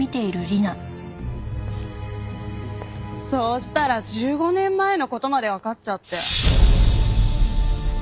そうしたら１５年前の事までわかっちゃって。